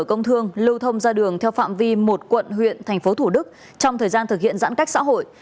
công thương lưu thông ra đường theo phạm vi một quận huyện thành phố thủ đức trong thời gian thực hiện giãn cách xã hội